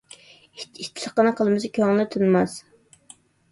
ئىت ئىتلىقىنى قىلمىسا كۆڭلى تىنماس.